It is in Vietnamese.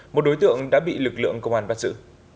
một đối tượng đã bị lực lượng công an bắt giữ